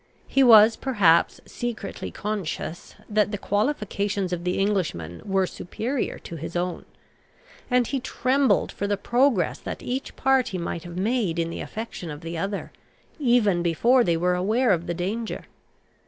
He was perhaps secretly conscious that the qualifications of the Englishman were superior to his own; and he trembled for the progress that each party might have made in the affection of the other, even before they were aware of the danger.